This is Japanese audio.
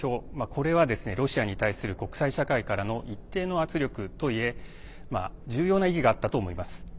これはロシアに対する国際社会からの一定の圧力といえ重要な意義があったと思います。